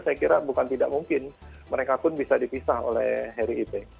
saya kira bukan tidak mungkin mereka pun bisa dipisah oleh harry ipe